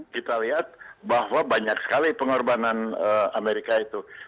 kita lihat bahwa banyak sekali pengorbanan amerika itu